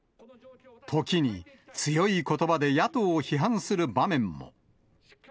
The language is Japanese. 時に強いことばで野党を批判する場面も。